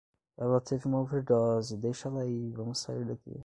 Ela teve uma overdose, deixa ela aí, vamos sair daqui